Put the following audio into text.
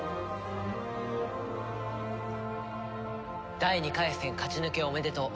第２回戦勝ち抜けおめでとう。